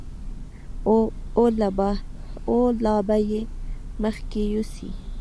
او لا به یې مخکې یوسي.